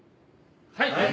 はい。